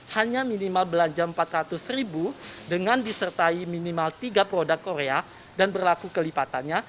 hanya minimal belanja empat ratus ribu dengan disertai minimal tiga produk korea dan berlaku kelipatannya